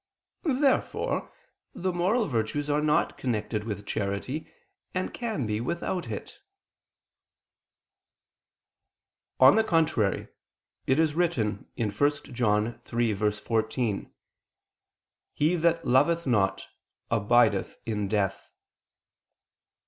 Therefore the moral virtues are not connected with charity, and can be without it. On the contrary, It is written (1 John 3:14): "He that loveth not, abideth in death."